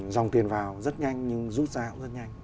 dòng tiền vào rất nhanh nhưng rút ra cũng rất nhanh